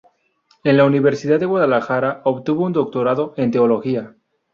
En la Universidad de Guadalajara obtuvo un doctorado en teología.